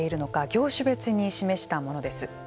業種別に示したものです。